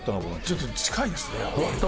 ちょっと近いですねやっぱり。